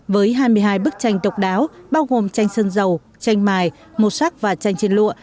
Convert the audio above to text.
với hai mươi hai bức tranh độc đáo bao gồm tranh sơn dầu tranh mài màu sắc và tranh trên lụa